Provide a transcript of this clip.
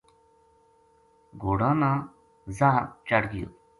گھوڑاں نا زاہر چڑھ گیو